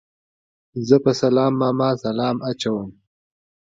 زه په سلام ماما سلام اچوم